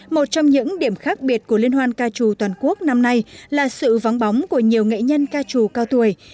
một trong những điểm khác biệt của liên hoan ca trù toàn quốc năm nay là sự vắng bóng của nhiều nghệ nhân ca trù cao tuổi